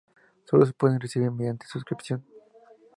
Sólo se puede recibir mediante suscripción.